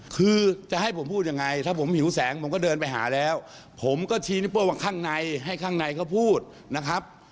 คือจะให้ผมพูดยังไงถ้าผมหิวแสงผมก็เดินไปหาแล้วผมก็ชี้นิ้วโป้ว่าข้างในให้ข้างในเขาพูดนะครับ